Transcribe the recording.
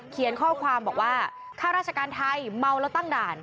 เขียนข้อความบอกว่าข้าราชการไทยเมาแล้วตั้งด่าน